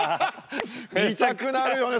見たくなるよね。